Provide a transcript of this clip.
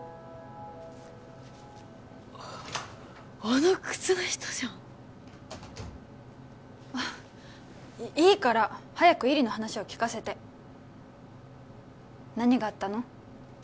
あの靴の人じゃんあっいいから早く依里の話を聞かせて何があったの？